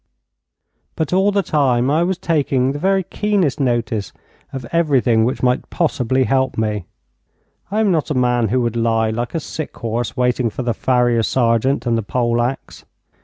But all the time I was taking the very keenest notice of everything which might possibly help me. I am not a man who would lie like a sick horse waiting for the farrier sergeant and the pole axe.